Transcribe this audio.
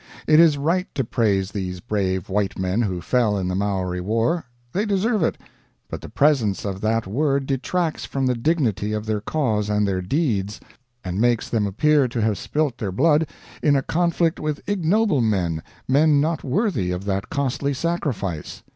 It is right to praise these brave white men who fell in the Maori war they deserve it; but the presence of that word detracts from the dignity of their cause and their deeds, and makes them appear to have spilt their blood in a conflict with ignoble men, men not worthy of that costly sacrifice.